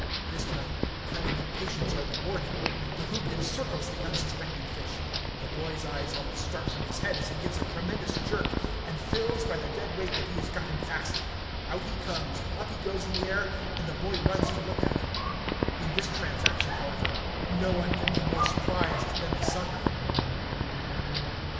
This time, cunning and patience are rewarded. The hoop encircles the unsuspecting fish. The boy's eyes almost start from his head as he gives a tremendous jerk, and feels by the dead weight that he has got him fast. Out he comes, up he goes in the air, and the boy runs to look at him. In this transaction, however, no one can be more surprised than the sucker.